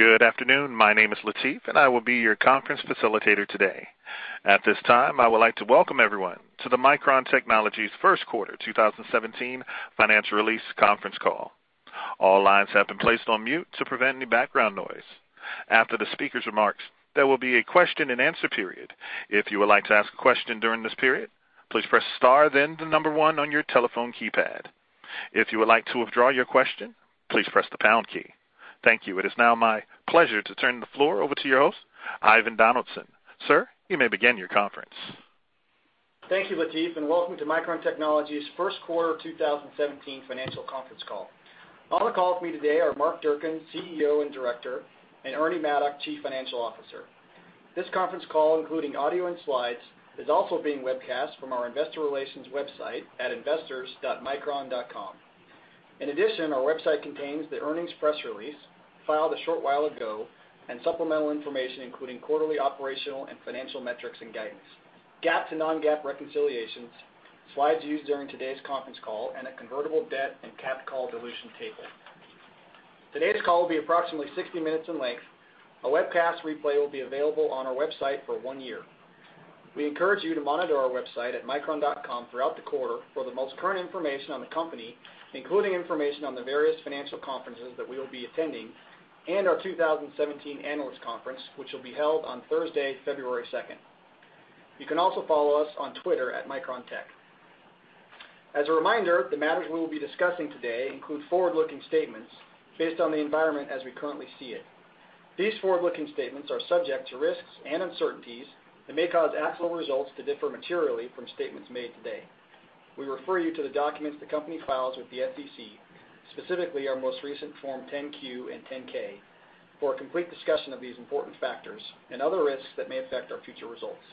Good afternoon. My name is Latif, and I will be your conference facilitator today. At this time, I would like to welcome everyone to Micron Technology's first quarter 2017 financial release conference call. All lines have been placed on mute to prevent any background noise. After the speaker's remarks, there will be a question and answer period. If you would like to ask a question during this period, please press star then the number one on your telephone keypad. If you would like to withdraw your question, please press the pound key. Thank you. It is now my pleasure to turn the floor over to your host, Ivan Donaldson. Sir, you may begin your conference. Thank you, Latif, and welcome to Micron Technology's first quarter 2017 financial conference call. On the call with me today are Mark Durcan, CEO and Director, and Ernie Maddock, Chief Financial Officer. This conference call, including audio and slides, is also being webcast from our investor relations website at investors.micron.com. In addition, our website contains the earnings press release filed a short while ago and supplemental information including quarterly operational and financial metrics and guidance, GAAP to non-GAAP reconciliations, slides used during today's conference call, and a convertible debt and capped call dilution table. Today's call will be approximately 60 minutes in length. A webcast replay will be available on our website for one year. We encourage you to monitor our website at micron.com throughout the quarter for the most current information on the company, including information on the various financial conferences that we will be attending and our 2017 analyst conference, which will be held on Thursday, February 2nd. You can also follow us on Twitter at MicronTech. As a reminder, the matters we will be discussing today include forward-looking statements based on the environment as we currently see it. These forward-looking statements are subject to risks and uncertainties that may cause actual results to differ materially from statements made today. We refer you to the documents the company files with the SEC, specifically our most recent Form 10-Q and 10-K, for a complete discussion of these important factors and other risks that may affect our future results.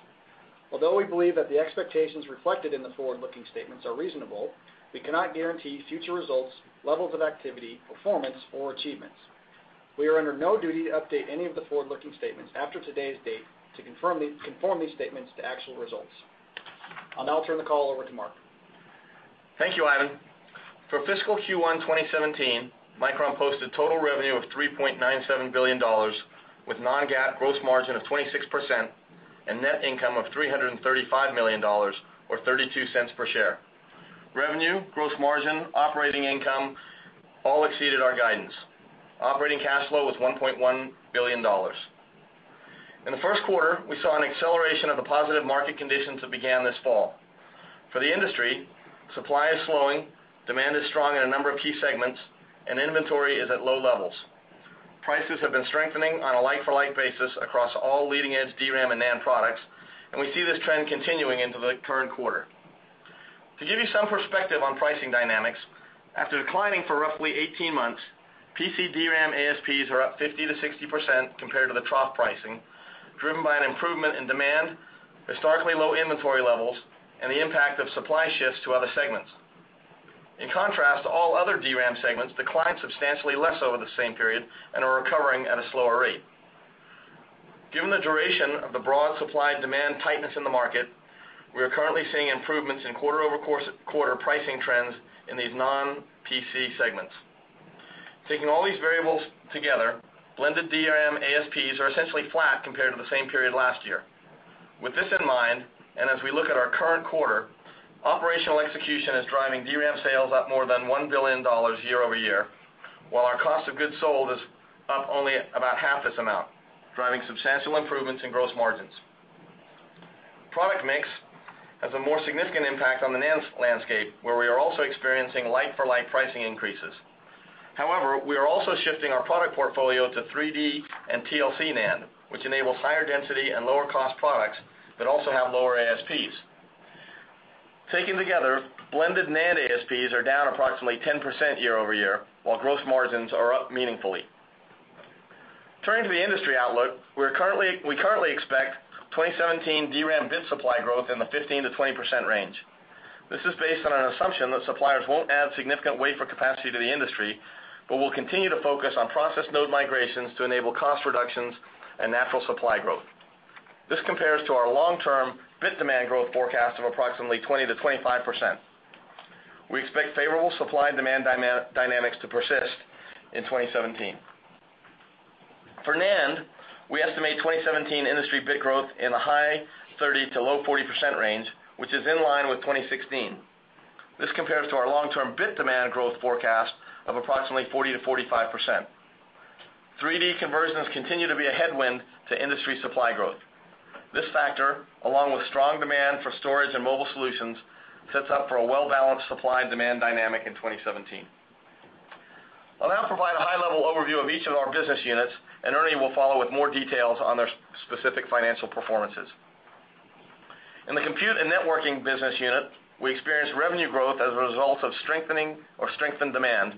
Although we believe that the expectations reflected in the forward-looking statements are reasonable, we cannot guarantee future results, levels of activity, performance, or achievements. We are under no duty to update any of the forward-looking statements after today's date to conform these statements to actual results. I'll now turn the call over to Mark. Thank you, Ivan. For fiscal Q1 2017, Micron posted total revenue of $3.97 billion with non-GAAP gross margin of 26% and net income of $335 million or $0.32 per share. Revenue, gross margin, operating income all exceeded our guidance. Operating cash flow was $1.1 billion. In the first quarter, we saw an acceleration of the positive market conditions that began this fall. For the industry, supply is slowing, demand is strong in a number of key segments, and inventory is at low levels. Prices have been strengthening on a like-for-like basis across all leading-edge DRAM and NAND products, and we see this trend continuing into the current quarter. To give you some perspective on pricing dynamics, after declining for roughly 18 months, PC DRAM ASPs are up 50%-60% compared to the trough pricing, driven by an improvement in demand, historically low inventory levels, and the impact of supply shifts to other segments. In contrast to all other DRAM segments, declined substantially less over the same period and are recovering at a slower rate. Given the duration of the broad supply-demand tightness in the market, we are currently seeing improvements in quarter-over-quarter pricing trends in these non-PC segments. Taking all these variables together, blended DRAM ASPs are essentially flat compared to the same period last year. With this in mind, and as we look at our current quarter, operational execution is driving DRAM sales up more than $1 billion year-over-year, while our cost of goods sold is up only about half this amount, driving substantial improvements in gross margins. Product mix has a more significant impact on the NAND landscape, where we are also experiencing like-for-like pricing increases. However, we are also shifting our product portfolio to 3D and TLC NAND, which enable higher density and lower cost products that also have lower ASPs. Taken together, blended NAND ASPs are down approximately 10% year-over-year, while gross margins are up meaningfully. Turning to the industry outlook, we currently expect 2017 DRAM bit supply growth in the 15%-20% range. This is based on an assumption that suppliers won't add significant wafer capacity to the industry, but will continue to focus on process node migrations to enable cost reductions and natural supply growth. This compares to our long-term bit demand growth forecast of approximately 20%-25%. We expect favorable supply and demand dynamics to persist in 2017. For NAND, we estimate 2017 industry bit growth in the high 30%-low 40% range, which is in line with 2016. This compares to our long-term bit demand growth forecast of approximately 40%-45%. 3D conversions continue to be a headwind to industry supply growth. This factor, along with strong demand for storage and mobile solutions, sets up for a well-balanced supply and demand dynamic in 2017. I'll now provide a high-level overview of each of our business units, and Ernie will follow with more details on their specific financial performances. In the compute and networking business unit, we experienced revenue growth as a result of strengthened demand.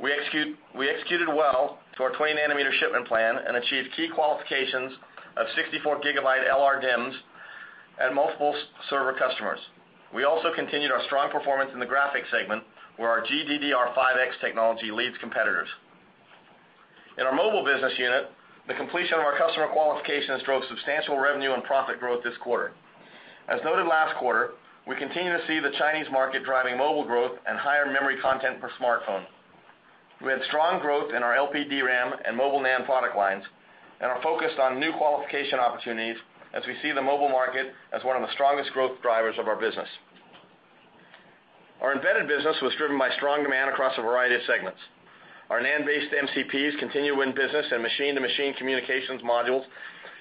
We executed well to our 20 nm shipment plan and achieved key qualifications of 64 GB LRDIMMs at multiple server customers. We also continued our strong performance in the graphics segment, where our GDDR5X technology leads competitors. In our mobile business unit, the completion of our customer qualifications drove substantial revenue and profit growth this quarter. As noted last quarter, we continue to see the Chinese market driving mobile growth and higher memory content per smartphone. We had strong growth in our LPDRAM and mobile NAND product lines and are focused on new qualification opportunities as we see the mobile market as one of the strongest growth drivers of our business. Our embedded business was driven by strong demand across a variety of segments. Our NAND-based MCPs continue to win business in machine-to-machine communications modules,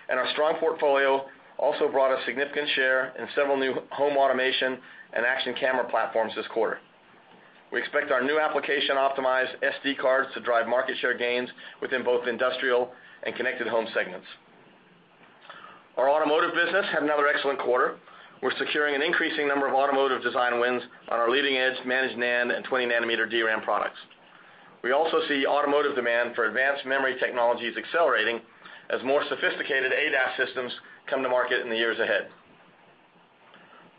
and our strong portfolio also brought a significant share in several new home automation and action camera platforms this quarter. We expect our new application-optimized SD cards to drive market share gains within both industrial and connected home segments. Our automotive business had another excellent quarter. We're securing an increasing number of automotive design wins on our leading edge Managed NAND and 20-nanometer DRAM products. We also see automotive demand for advanced memory technologies accelerating as more sophisticated ADAS systems come to market in the years ahead.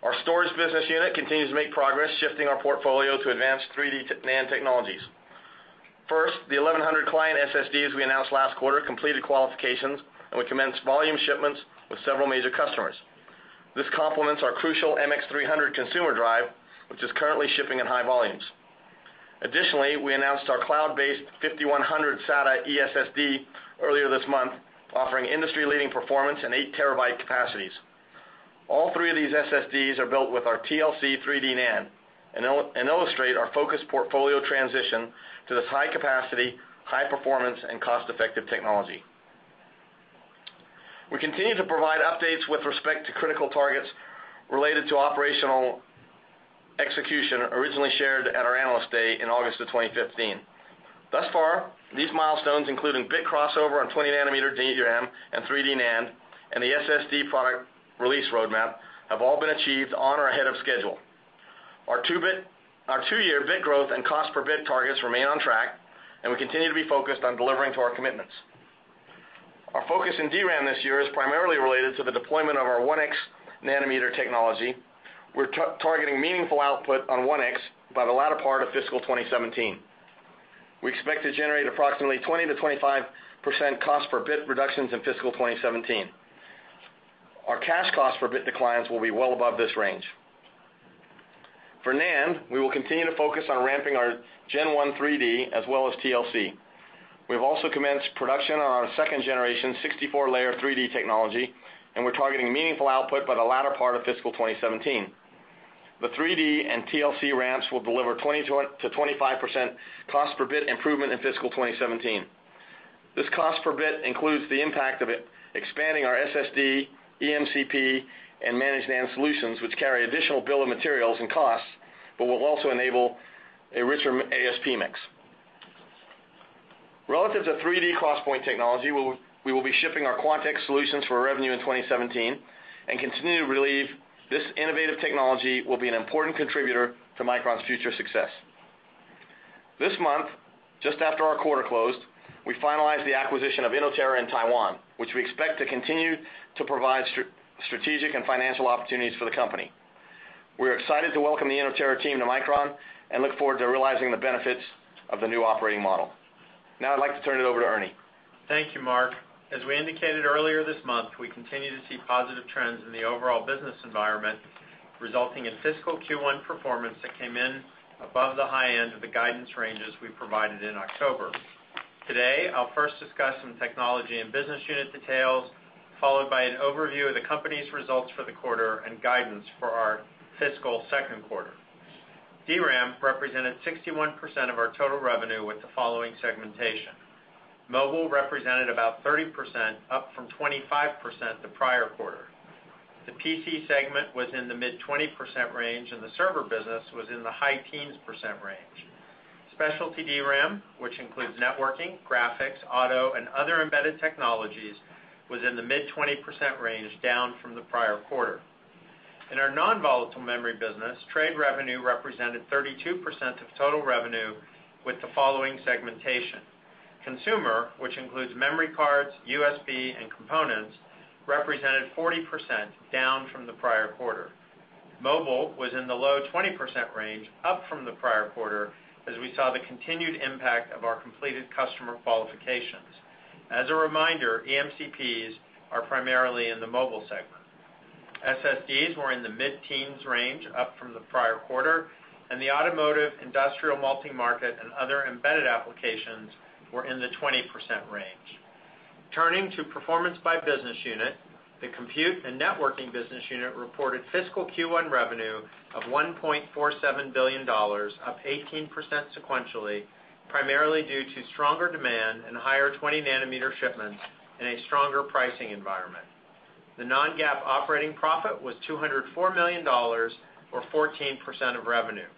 Our storage business unit continues to make progress shifting our portfolio to advanced 3D NAND technologies. First, the 1100 client SSDs we announced last quarter completed qualifications, and we commenced volume shipments with several major customers. This complements our Crucial MX300 consumer drive, which is currently shipping in high volumes. Additionally, we announced our cloud-based 5100 SATA eSSD earlier this month, offering industry-leading performance in 8 terabyte capacities. All three of these SSDs are built with our TLC 3D NAND and illustrate our focused portfolio transition to this high capacity, high performance, and cost-effective technology. We continue to provide updates with respect to critical targets related to operational execution originally shared at our Analyst Day in August of 2015. Thus far, these milestones, including bit crossover on 20 nm DRAM and 3D NAND, and the SSD product release roadmap, have all been achieved on or ahead of schedule. Our two-year bit growth and cost per bit targets remain on track, and we continue to be focused on delivering to our commitments. Our focus in DRAM this year is primarily related to the deployment of our 1X nanometer technology. We're targeting meaningful output on 1X by the latter part of fiscal 2017. We expect to generate approximately 20%-25% cost per bit reductions in fiscal 2017. Our cash cost per bit declines will be well above this range. For NAND, we will continue to focus on ramping our Gen 1 3D as well as TLC. We have also commenced production on our second generation 64-layer 3D technology, and we're targeting meaningful output by the latter part of fiscal 2017. The 3D and TLC ramps will deliver 20%-25% cost per bit improvement in fiscal 2017. This cost per bit includes the impact of expanding our SSD, eMCP, and Managed NAND solutions, which carry additional bill of materials and costs, but will also enable a richer ASP mix. Relative to 3D XPoint technology, we will be shipping our QuantX solutions for revenue in 2017 and continue to believe this innovative technology will be an important contributor to Micron's future success. This month, just after our quarter closed, we finalized the acquisition of Inotera in Taiwan, which we expect to continue to provide strategic and financial opportunities for the company. We're excited to welcome the Inotera team to Micron and look forward to realizing the benefits of the new operating model. Now I'd like to turn it over to Ernie. Thank you, Mark. As we indicated earlier this month, we continue to see positive trends in the overall business environment, resulting in fiscal Q1 performance that came in above the high end of the guidance ranges we provided in October. Today, I'll first discuss some technology and business unit details, followed by an overview of the company's results for the quarter and guidance for our fiscal second quarter. DRAM represented 61% of our total revenue with the following segmentation. Mobile represented about 30%, up from 25% the prior quarter. The PC segment was in the mid 20% range, and the server business was in the high teens percent range. Specialty DRAM, which includes networking, graphics, auto, and other embedded technologies, was in the mid 20% range, down from the prior quarter. In our non-volatile memory business, trade revenue represented 32% of total revenue with the following segmentation. Consumer, which includes memory cards, USB, and components, represented 40%, down from the prior quarter. Mobile was in the low 20% range, up from the prior quarter, as we saw the continued impact of our completed customer qualifications. As a reminder, eMCPs are primarily in the mobile segment. SSDs were in the mid-teens range, up from the prior quarter, and the automotive, industrial, multi-market, and other embedded applications were in the 20% range. Turning to performance by business unit, the compute and networking business unit reported fiscal Q1 revenue of $1.47 billion, up 18% sequentially, primarily due to stronger demand and higher 20 nm shipments in a stronger pricing environment. The non-GAAP operating profit was $204 million, or 14% of revenue.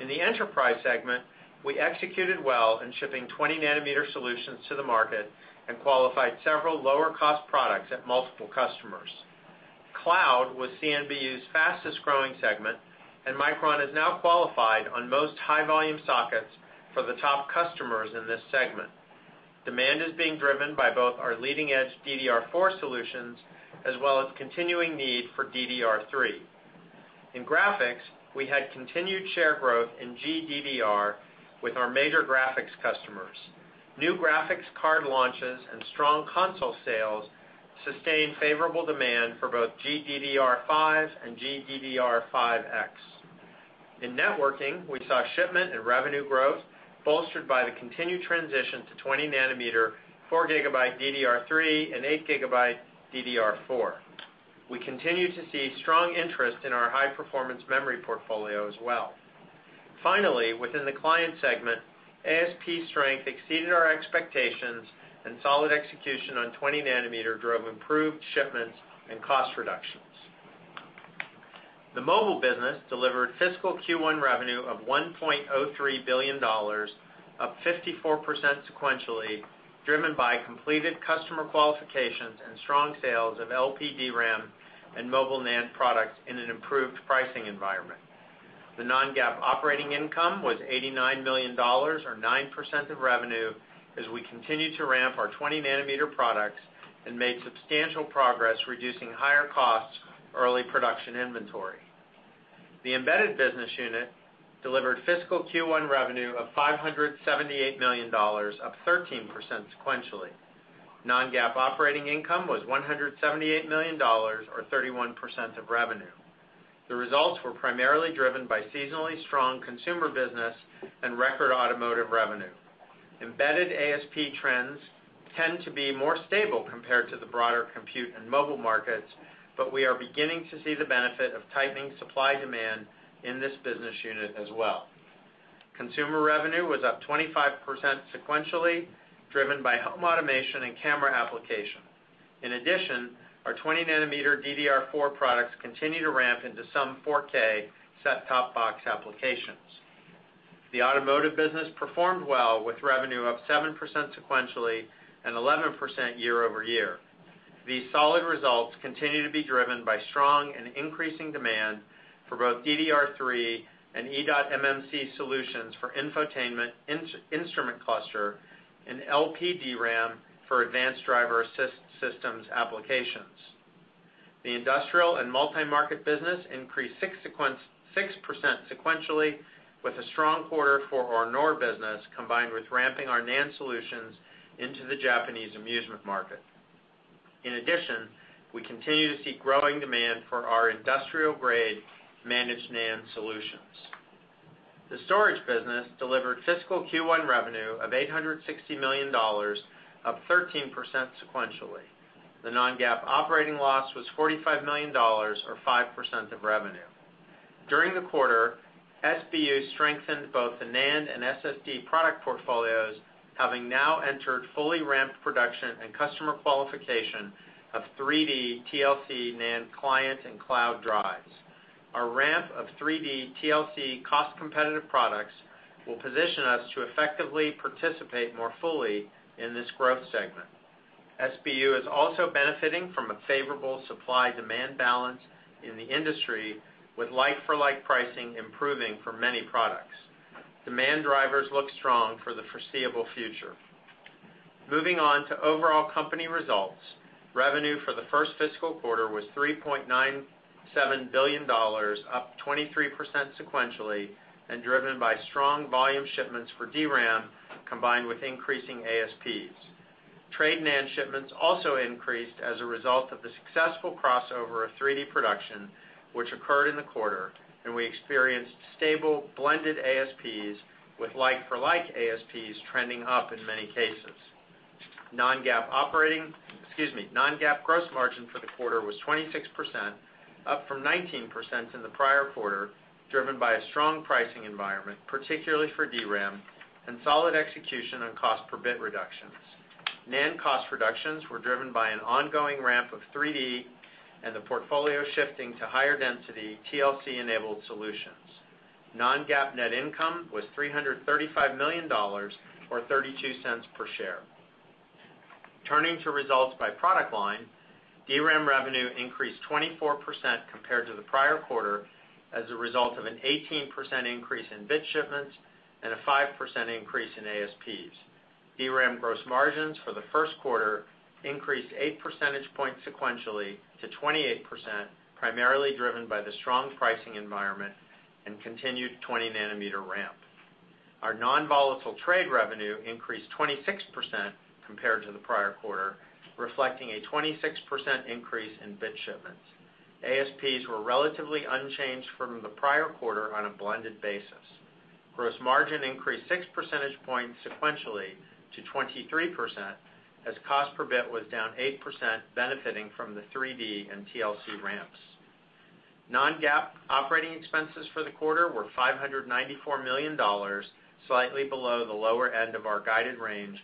In the enterprise segment, we executed well in shipping 20 nm solutions to the market and qualified several lower-cost products at multiple customers. Cloud was CNBU's fastest-growing segment, and Micron is now qualified on most high-volume sockets for the top customers in this segment. Demand is being driven by both our leading-edge DDR4 solutions, as well as continuing need for DDR3. In graphics, we had continued share growth in GDDR with our major graphics customers. New graphics card launches and strong console sales sustained favorable demand for both GDDR5 and GDDR5X. In networking, we saw shipment and revenue growth bolstered by the continued transition to 20 nanometer, 4 gigabyte DDR3, and 8 gigabyte DDR4. We continue to see strong interest in our high-performance memory portfolio as well. Finally, within the client segment, ASP strength exceeded our expectations, and solid execution on 20 nanometer drove improved shipments and cost reductions. The mobile business delivered fiscal Q1 revenue of $1.03 billion, up 54% sequentially, driven by completed customer qualifications and strong sales of LPDRAM and mobile NAND products in an improved pricing environment. The non-GAAP operating income was $89 million, or 9% of revenue, as we continued to ramp our 20 nanometer products and made substantial progress reducing higher costs early production inventory. The embedded business unit delivered fiscal Q1 revenue of $578 million, up 13% sequentially. Non-GAAP operating income was $178 million, or 31% of revenue. The results were primarily driven by seasonally strong consumer business and record automotive revenue. Embedded ASP trends tend to be more stable compared to the broader compute and mobile markets, but we are beginning to see the benefit of tightening supply-demand in this business unit as well. Consumer revenue was up 25% sequentially, driven by home automation and camera application. Our 20 nanometer DDR4 products continue to ramp into some 4K set-top box applications. The automotive business performed well, with revenue up 7% sequentially and 11% year-over-year. These solid results continue to be driven by strong and increasing demand for both DDR3 and eMMC solutions for infotainment, instrument cluster, and LPDRAM for advanced driver-assist systems applications. The industrial and multi-market business increased 6% sequentially with a strong quarter for our NOR business, combined with ramping our NAND solutions into the Japanese amusement market. In addition, we continue to see growing demand for our industrial-grade managed NAND solutions. The storage business delivered fiscal Q1 revenue of $860 million, up 13% sequentially. The non-GAAP operating loss was $45 million, or 5% of revenue. During the quarter, SBU strengthened both the NAND and SSD product portfolios, having now entered fully ramped production and customer qualification of 3D TLC NAND client and cloud drives. Our ramp of 3D TLC cost-competitive products will position us to effectively participate more fully in this growth segment. SBU is also benefiting from a favorable supply-demand balance in the industry, with like-for-like pricing improving for many products. Demand drivers look strong for the foreseeable future. Moving on to overall company results. Revenue for the first fiscal quarter was $3.97 billion, up 23% sequentially, and driven by strong volume shipments for DRAM, combined with increasing ASPs. Trade NAND shipments also increased as a result of the successful crossover of 3D production, which occurred in the quarter, and we experienced stable blended ASPs with like-for-like ASPs trending up in many cases. Non-GAAP gross margin for the quarter was 26%, up from 19% in the prior quarter, driven by a strong pricing environment, particularly for DRAM, and solid execution on cost per bit reductions. NAND cost reductions were driven by an ongoing ramp of 3D and the portfolio shifting to higher density TLC-enabled solutions. Non-GAAP net income was $335 million, or $0.32 per share. Turning to results by product line, DRAM revenue increased 24% compared to the prior quarter as a result of an 18% increase in bit shipments and a 5% increase in ASPs. DRAM gross margins for the first quarter increased eight percentage points sequentially to 28%, primarily driven by the strong pricing environment and continued 20 nanometer ramp. Our non-volatile trade revenue increased 26% compared to the prior quarter, reflecting a 26% increase in bit shipments. ASPs were relatively unchanged from the prior quarter on a blended basis. Gross margin increased six percentage points sequentially to 23%, as cost per bit was down 8%, benefiting from the 3D and TLC ramps. Non-GAAP operating expenses for the quarter were $594 million, slightly below the lower end of our guided range,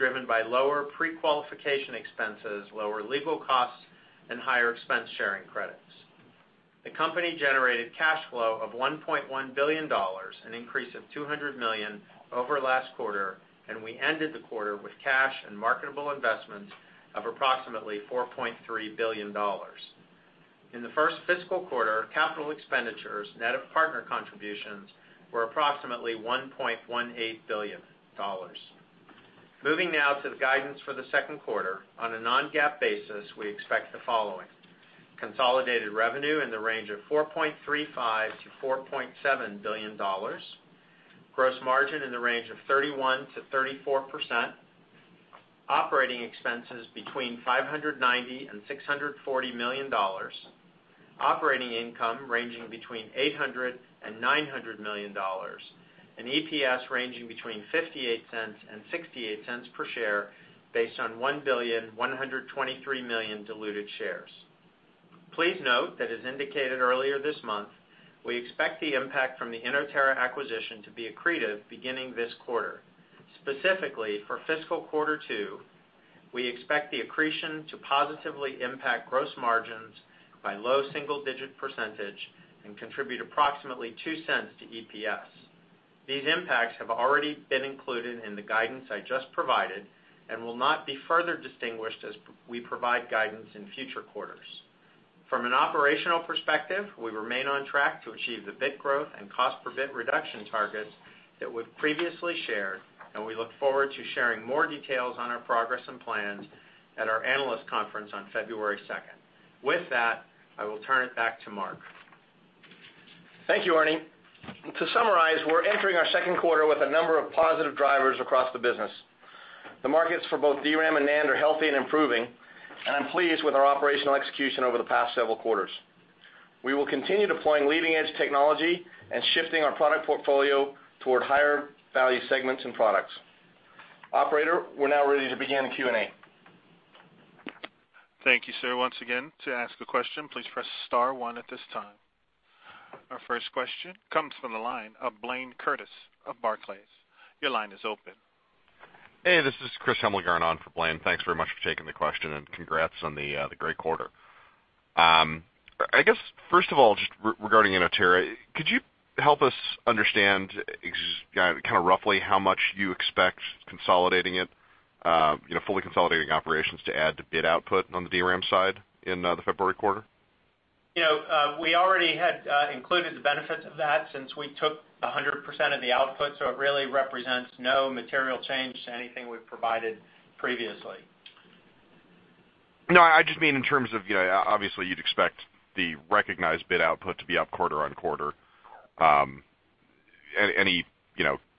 driven by lower pre-qualification expenses, lower legal costs, and higher expense-sharing credits. The company generated cash flow of $1.1 billion, an increase of $200 million over last quarter, and we ended the quarter with cash and marketable investments of approximately $4.3 billion. In the first fiscal quarter, capital expenditures net of partner contributions were approximately $1.18 billion. Moving now to the guidance for the second quarter. On a non-GAAP basis, we expect the following. Consolidated revenue in the range of $4.35 billion-$4.7 billion, gross margin in the range of 31%-34%, operating expenses between $590 million and $640 million, operating income ranging between $800 million and $900 million, and EPS ranging between $0.58 and $0.68 per share based on 1,123,000,000 diluted shares. Please note that as indicated earlier this month, we expect the impact from the Inotera acquisition to be accretive beginning this quarter. Specifically, for fiscal quarter two, we expect the accretion to positively impact gross margins by low single-digit percentage and contribute approximately $0.02 to EPS. These impacts have already been included in the guidance I just provided and will not be further distinguished as we provide guidance in future quarters. From an operational perspective, we remain on track to achieve the bit growth and cost per bit reduction targets that we've previously shared. We look forward to sharing more details on our progress and plans at our analyst conference on February 2nd. With that, I will turn it back to Mark. Thank you, Ernie. To summarize, we're entering our second quarter with a number of positive drivers across the business. The markets for both DRAM and NAND are healthy and improving. I'm pleased with our operational execution over the past several quarters. We will continue deploying leading-edge technology and shifting our product portfolio toward higher value segments and products. Operator, we're now ready to begin the Q&A. Thank you, sir. Once again, to ask a question, please press *1 at this time. Our first question comes from the line of Blayne Curtis of Barclays. Your line is open. Hey, this is Chris Hummel going on for Blayne. Thanks very much for taking the question and congrats on the great quarter. I guess, first of all, just regarding Inotera, could you help us understand, kind of roughly how much you expect consolidating it, fully consolidating operations to add to bit output on the DRAM side in the February quarter? We already had included the benefits of that since we took 100% of the output, so it really represents no material change to anything we've provided previously. No, I just mean in terms of, obviously you'd expect the recognized bit output to be up quarter on quarter. Any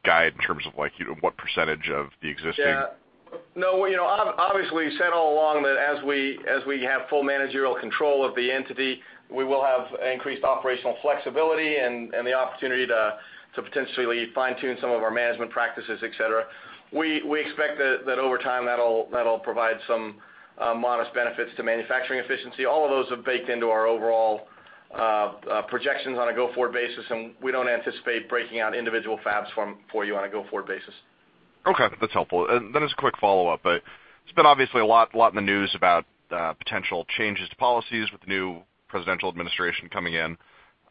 guide in terms of what % of the existing? Yeah. Obviously we said all along that as we have full managerial control of the entity, we will have increased operational flexibility and the opportunity to potentially fine-tune some of our management practices, et cetera. We expect that over time, that'll provide some modest benefits to manufacturing efficiency. All of those are baked into our overall projections on a go-forward basis. We don't anticipate breaking out individual fabs for you on a go-forward basis. Okay. That's helpful. Just a quick follow-up. It's been obviously a lot in the news about potential changes to policies with the new presidential administration coming in.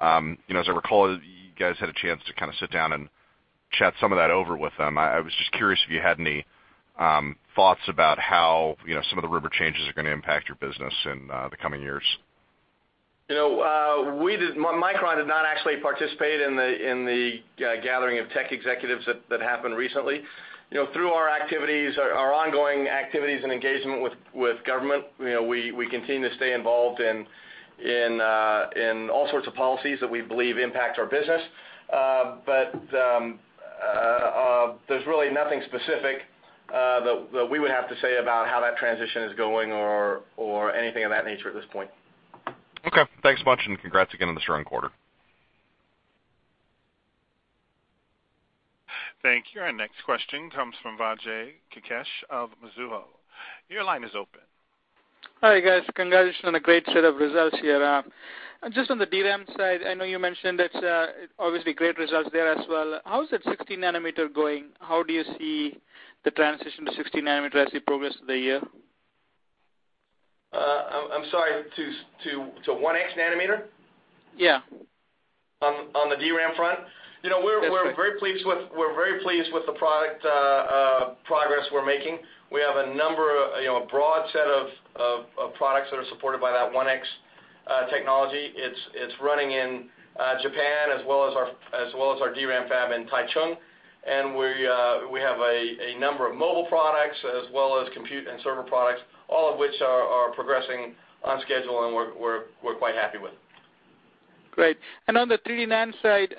As I recall, you guys had a chance to sit down and chat some of that over with them. I was just curious if you had any thoughts about how some of the broader changes are going to impact your business in the coming years. Micron did not actually participate in the gathering of tech executives that happened recently. Through our ongoing activities and engagement with government, we continue to stay involved in all sorts of policies that we believe impact our business. There's really nothing specific that we would have to say about how that transition is going or anything of that nature at this point. Okay. Thanks much. Congrats again on the strong quarter. Thank you. Our next question comes from Vijay Rakesh of Mizuho. Your line is open. Hi, guys. Congratulations on a great set of results here. Just on the DRAM side, I know you mentioned it's obviously great results there as well. How is the 1X nanometer going? How do you see the transition to 1X nanometer as we progress through the year? I'm sorry, to 1X nanometer? Yeah. On the DRAM front? We're very pleased with the progress we're making. We have a broad set of products that are supported by that 1X technology. It's running in Japan as well as our DRAM fab in Taichung. We have a number of mobile products as well as compute and server products, all of which are progressing on schedule, and we're quite happy with. On the 3D NAND side,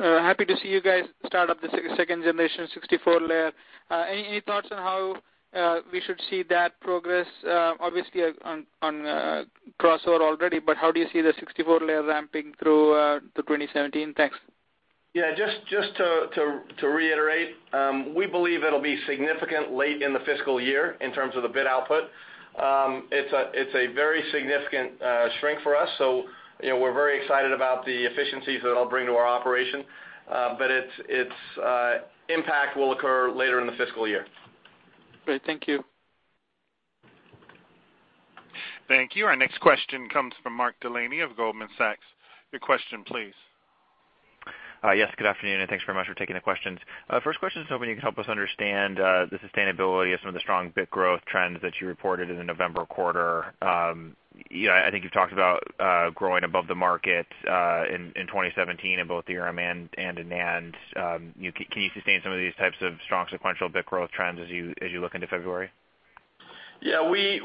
happy to see you guys start up the second generation 64-layer. Any thoughts on how we should see that progress? Obviously, on crossover already, but how do you see the 64-layer ramping through to 2017? Thanks. Yeah, just to reiterate, we believe it'll be significant late in the fiscal year in terms of the bit output. It's a very significant shrink for us, we're very excited about the efficiencies that it'll bring to our operation. Its impact will occur later in the fiscal year. Great. Thank you. Thank you. Our next question comes from Mark Delaney of Goldman Sachs. Your question, please. Yes, good afternoon, and thanks very much for taking the questions. First question is hoping you can help us understand the sustainability of some of the strong bit growth trends that you reported in the November quarter. I think you've talked about growing above the market in 2017 in both DRAM and in NAND. Can you sustain some of these types of strong sequential bit growth trends as you look into February? Yeah, we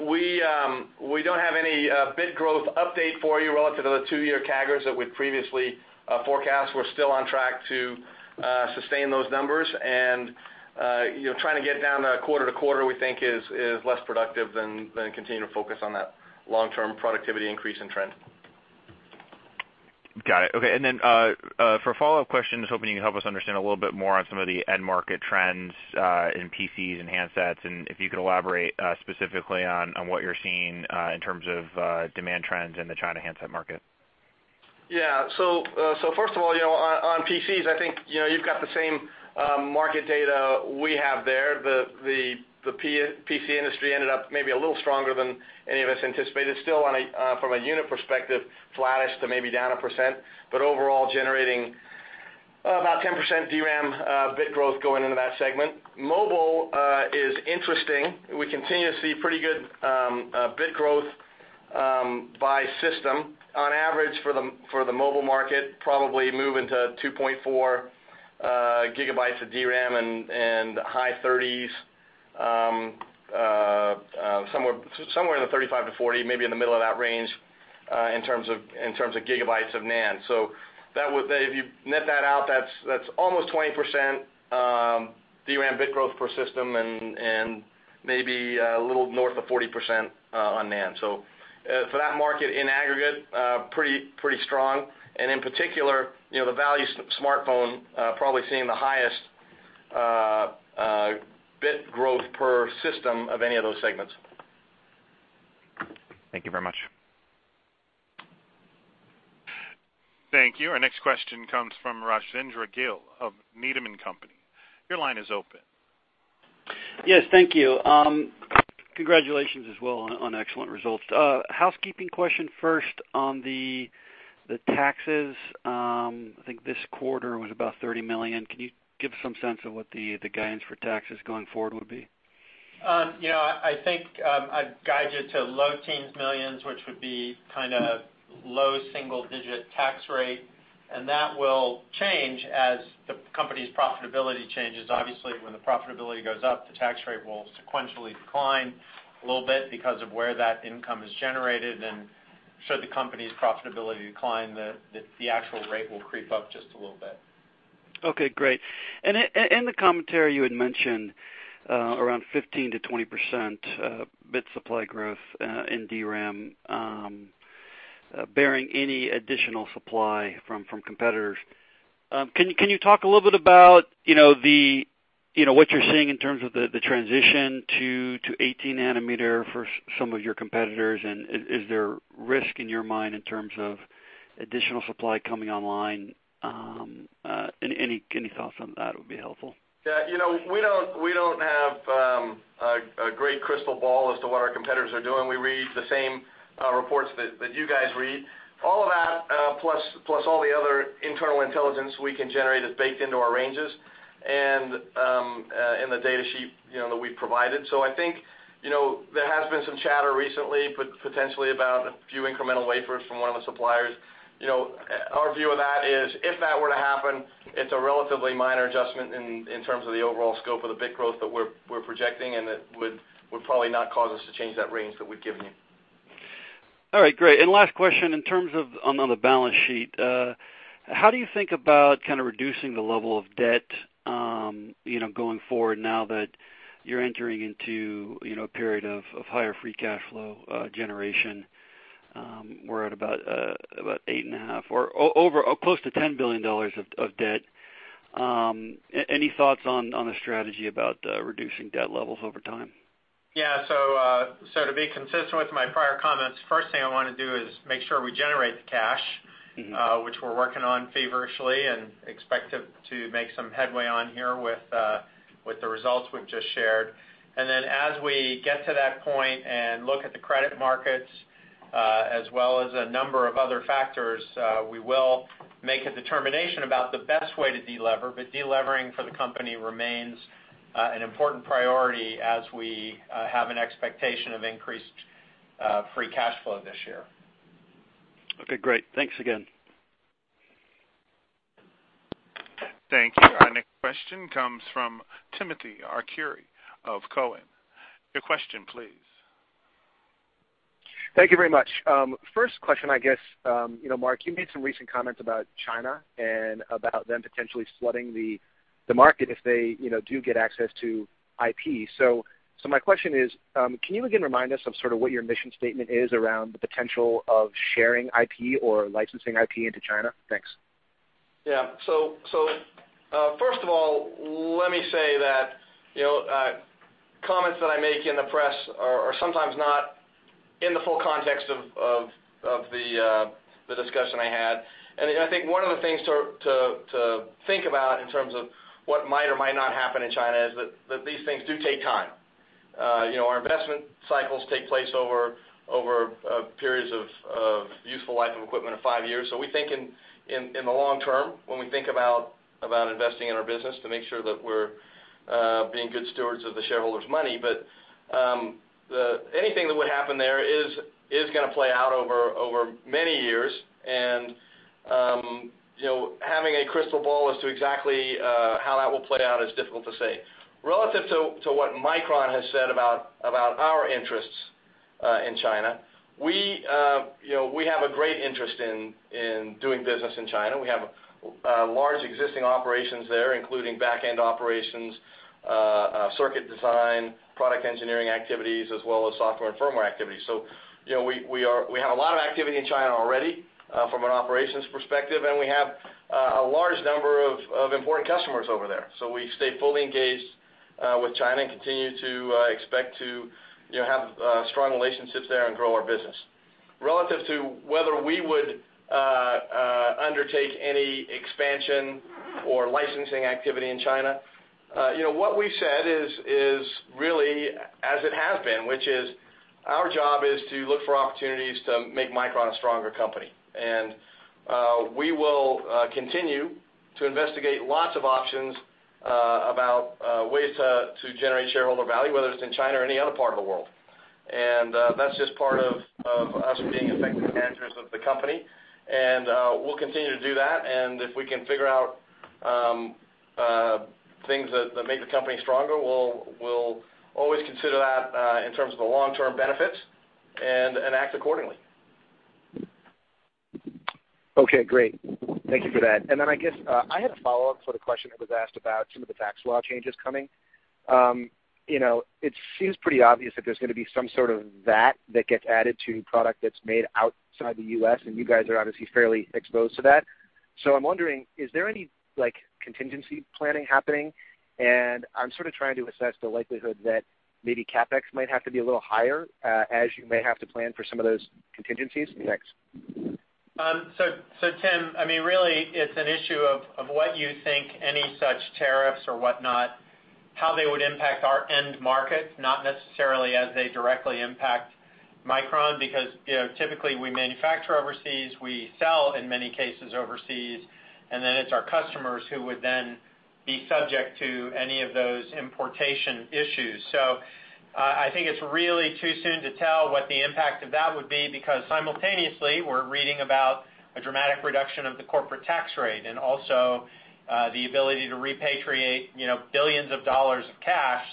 don't have any bit growth update for you relative to the two-year CAGRs that we previously forecast. We're still on track to sustain those numbers, and trying to get down quarter to quarter, we think is less productive than continuing to focus on that long-term productivity increase in trend. Got it. Okay, for follow-up questions, hoping you can help us understand a little bit more on some of the end market trends in PCs and handsets, and if you could elaborate specifically on what you're seeing in terms of demand trends in the China handset market. Yeah. First of all, on PCs, I think you've got the same market data we have there. The PC industry ended up maybe a little stronger than any of us anticipated. Still from a unit perspective, flattish to maybe down a percent, but overall generating about 10% DRAM bit growth going into that segment. Mobile is interesting. We continue to see pretty good bit growth by system. On average for the mobile market, probably moving to 2.4 gigabytes of DRAM and high 30s, somewhere in the 35-40, maybe in the middle of that range, in terms of gigabytes of NAND. If you net that out, that's almost 20% DRAM bit growth per system and maybe a little north of 40% on NAND. For that market in aggregate, pretty strong. In particular, the value smartphone probably seeing the highest bit growth per system of any of those segments. Thank you very much. Thank you. Our next question comes from Rajvindra Gill of Needham & Company. Your line is open. Yes, thank you. Congratulations as well on excellent results. Housekeeping question first on the taxes. I think this quarter was about $30 million. Can you give some sense of what the guidance for taxes going forward would be? I think I'd guide you to low teens millions, which would be kind of low single-digit tax rate. That will change as the company's profitability changes. Obviously, when the profitability goes up, the tax rate will sequentially decline a little bit because of where that income is generated. Should the company's profitability decline, the actual rate will creep up just a little bit. Okay, great. In the commentary, you had mentioned around 15%-20% bit supply growth in DRAM, bearing any additional supply from competitors. Can you talk a little bit about what you're seeing in terms of the transition to 18 nanometer for some of your competitors? Is there risk in your mind in terms of additional supply coming online? Any thoughts on that would be helpful. Yeah. We don't have a great crystal ball as to what our competitors are doing. We read the same reports that you guys read. All of that, plus all the other internal intelligence we can generate is baked into our ranges and in the data sheet that we've provided. I think, there has been some chatter recently, potentially about a few incremental wafers from one of the suppliers. Our view of that is, if that were to happen, it's a relatively minor adjustment in terms of the overall scope of the bit growth that we're projecting. It would probably not cause us to change that range that we've given you. All right, great. Last question, in terms of on the balance sheet, how do you think about kind of reducing the level of debt going forward now that you're entering into a period of higher free cash flow generation? We're at about eight and a half or close to $10 billion of debt. Any thoughts on a strategy about reducing debt levels over time? Yeah. To be consistent with my prior comments, first thing I want to do is make sure we generate the cash. Which we're working on feverishly and expect to make some headway on here with the results we've just shared. As we get to that point and look at the credit markets, as well as a number of other factors, we will make a determination about the best way to delever. Delevering for the company remains an important priority as we have an expectation of increased free cash flow this year. Okay, great. Thanks again. Thank you. Our next question comes from Timothy Arcuri of Cowen. Your question, please. Thank you very much. First question, I guess, Mark, you made some recent comments about China and about them potentially flooding the market if they do get access to IP. My question is, can you again remind us of sort of what your mission statement is around the potential of sharing IP or licensing IP into China? Thanks. Yeah. First of all, let me say that comments that I make in the press are sometimes not in the full context of the discussion I had. I think one of the things to think about in terms of what might or might not happen in China is that these things do take time. Our investment cycles take place over periods of useful life of equipment of five years. We think in the long term when we think about investing in our business to make sure that we're being good stewards of the shareholders' money. Anything that would happen there is going to play out over many years, and having a crystal ball as to exactly how that will play out is difficult to say. Relative to what Micron has said about our interests In China. We have a great interest in doing business in China. We have large existing operations there, including back-end operations, circuit design, product engineering activities, as well as software and firmware activities. We have a lot of activity in China already from an operations perspective, and we have a large number of important customers over there. We stay fully engaged with China and continue to expect to have strong relationships there and grow our business. Relative to whether we would undertake any expansion or licensing activity in China, what we've said is really as it has been, which is our job is to look for opportunities to make Micron a stronger company. We will continue to investigate lots of options about ways to generate shareholder value, whether it's in China or any other part of the world. That's just part of us being effective managers of the company. We'll continue to do that, and if we can figure out things that make the company stronger, we'll always consider that in terms of the long-term benefit and act accordingly. Okay, great. Thank you for that. I guess, I had a follow-up for the question that was asked about some of the tax law changes coming. It seems pretty obvious that there's going to be some sort of VAT that gets added to product that's made outside the U.S., and you guys are obviously fairly exposed to that. I'm wondering, is there any contingency planning happening? I'm sort of trying to assess the likelihood that maybe CapEx might have to be a little higher, as you may have to plan for some of those contingencies. Thanks. Tim, really, it's an issue of what you think any such tariffs or whatnot, how they would impact our end market, not necessarily as they directly impact Micron, because typically, we manufacture overseas. We sell, in many cases, overseas, it's our customers who would then be subject to any of those importation issues. I think it's really too soon to tell what the impact of that would be, because simultaneously, we're reading about a dramatic reduction of the corporate tax rate and also the ability to repatriate billions of dollars of cash.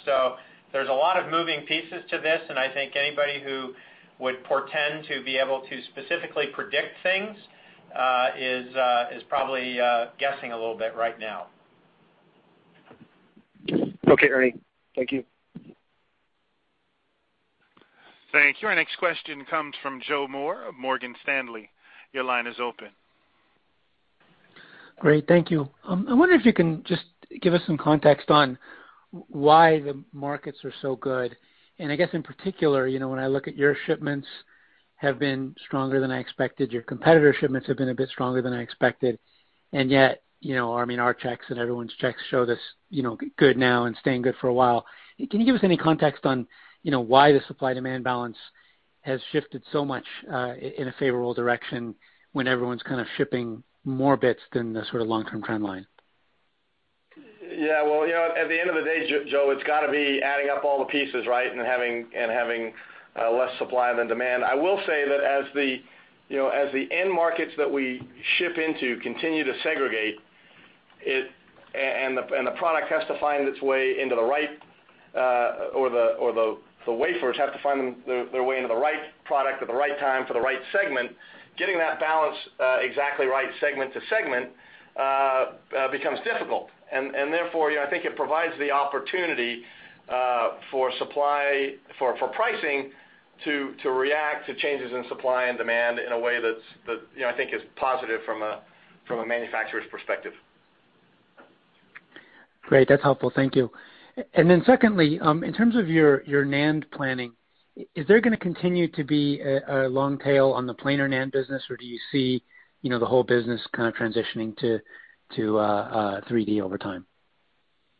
There's a lot of moving pieces to this, I think anybody who would portend to be able to specifically predict things is probably guessing a little bit right now. Okay, Ernie. Thank you. Thank you. Our next question comes from Joe Moore of Morgan Stanley. Your line is open. Great. Thank you. I wonder if you can just give us some context on why the markets are so good, I guess in particular, when I look at your shipments have been stronger than I expected, your competitor shipments have been a bit stronger than I expected, yet our checks and everyone's checks show this good now and staying good for a while. Can you give us any context on why the supply-demand balance has shifted so much in a favorable direction when everyone's kind of shipping more bits than the sort of long-term trend line? Well, at the end of the day, Joe, it's got to be adding up all the pieces, right, having less supply than demand. I will say that as the end markets that we ship into continue to segregate, the wafers have to find their way into the right product at the right time for the right segment, getting that balance exactly right segment to segment becomes difficult. Therefore, I think it provides the opportunity for pricing to react to changes in supply and demand in a way that I think is positive from a manufacturer's perspective. Great. That's helpful. Thank you. Secondly, in terms of your NAND planning, is there going to continue to be a long tail on the planar NAND business, or do you see the whole business kind of transitioning to 3D over time?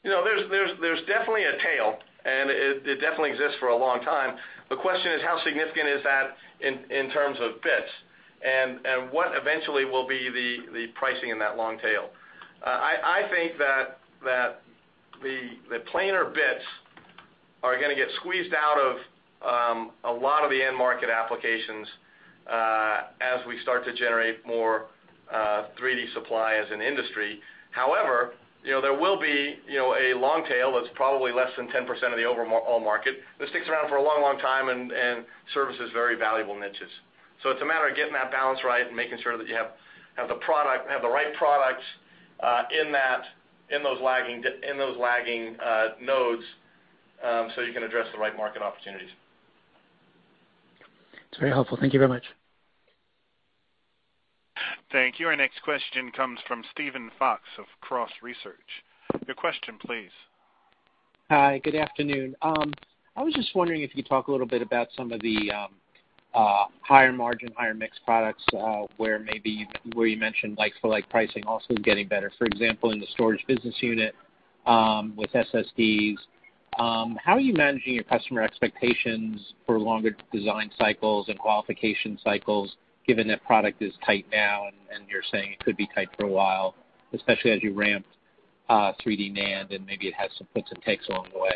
There's definitely a tail, it definitely exists for a long time. The question is how significant is that in terms of bits, what eventually will be the pricing in that long tail? I think that the planar bits are going to get squeezed out of a lot of the end market applications as we start to generate more 3D supply as an industry. However, there will be a long tail that's probably less than 10% of the overall market that sticks around for a long, long time and services very valuable niches. It's a matter of getting that balance right and making sure that you have the right products in those lagging nodes so you can address the right market opportunities. It's very helpful. Thank you very much. Thank you. Our next question comes from Steven Fox of Cross Research. Your question, please. Hi, good afternoon. I was just wondering if you could talk a little bit about some of the higher margin, higher mixed products, where you mentioned like-for-like pricing also getting better. For example, in the storage business unit, with SSDs. How are you managing your customer expectations for longer design cycles and qualification cycles, given that product is tight now and you're saying it could be tight for a while, especially as you ramp 3D NAND and maybe it has some puts and takes along the way?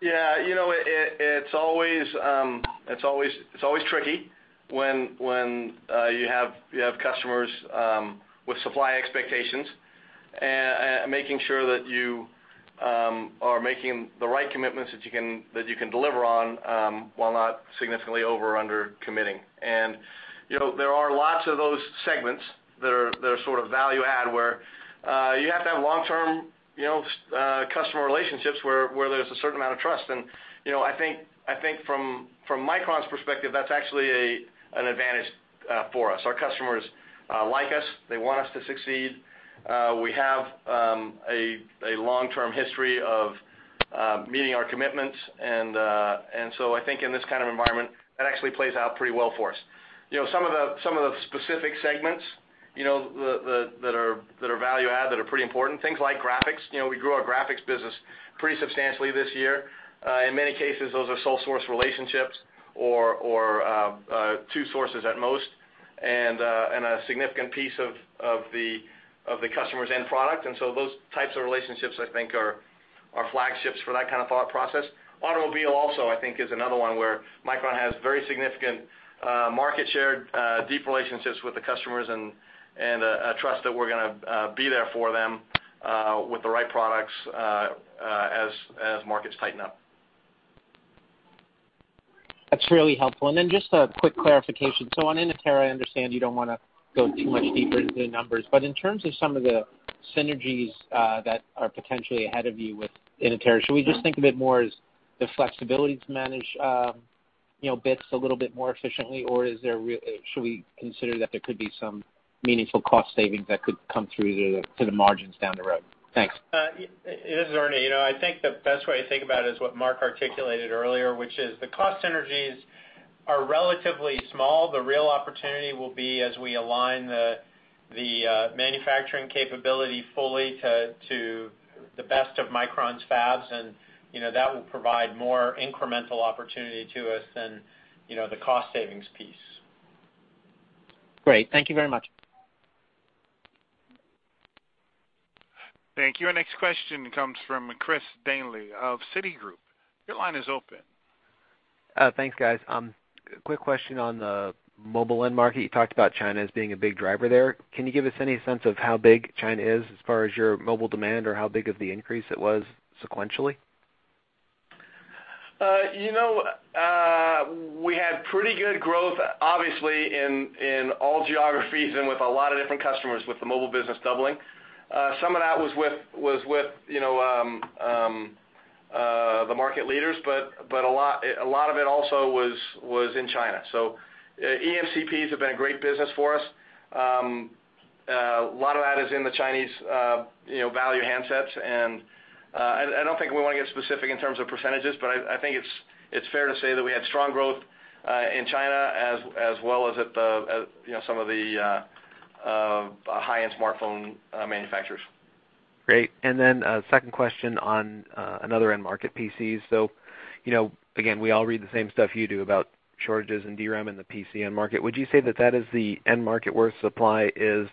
Yeah. It's always tricky when you have customers with supply expectations. Making sure that you are making the right commitments that you can deliver on, while not significantly over or under committing. There are lots of those segments that are sort of value add, where you have to have long-term customer relationships, where there's a certain amount of trust. I think from Micron's perspective, that's actually an advantage for us. Our customers like us. They want us to succeed. We have a long-term history of meeting our commitments. I think in this kind of environment, that actually plays out pretty well for us. Some of the specific segments that are value add, that are pretty important, things like graphics. We grew our graphics business pretty substantially this year. In many cases, those are sole source relationships or two sources at most, and a significant piece of the customer's end product. Those types of relationships, I think, are flagships for that kind of thought process. Automobile also, I think, is another one where Micron has very significant market share, deep relationships with the customers, and a trust that we're going to be there for them with the right products as markets tighten up. That's really helpful. Just a quick clarification. On Inotera, I understand you don't want to go too much deeper into the numbers, but in terms of some of the synergies that are potentially ahead of you with Inotera, should we just think of it more as the flexibility to manage bits a little bit more efficiently, or should we consider that there could be some meaningful cost savings that could come through to the margins down the road? Thanks. This is Ernie. I think the best way to think about it is what Mark articulated earlier, which is the cost synergies are relatively small. The real opportunity will be as we align the manufacturing capability fully to the best of Micron's fabs, and that will provide more incremental opportunity to us than the cost savings piece. Great. Thank you very much. Thank you. Our next question comes from Chris Danely of Citigroup. Your line is open. Thanks, guys. Quick question on the mobile end market. You talked about China as being a big driver there. Can you give us any sense of how big China is as far as your mobile demand or how big of the increase it was sequentially? We had pretty good growth, obviously, in all geographies and with a lot of different customers with the mobile business doubling. Some of that was with the market leaders, but a lot of it also was in China. eMCPs have been a great business for us. A lot of that is in the Chinese value handsets, I don't think we want to get specific in terms of percentages, but I think it's fair to say that we had strong growth in China as well as at some of the high-end smartphone manufacturers. Great. A second question on another end-market PC. Again, we all read the same stuff you do about shortages in DRAM and the PC end market. Would you say that that is the end market where supply is